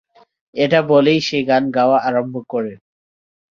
এটা বলেই সে গান গাওয়া আরম্ভ করে।